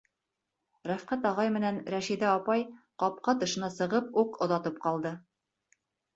Рәфҡәт ағай менән Рәшиҙә апай ҡапҡа тышына сығып уҡ оҙатып ҡалды.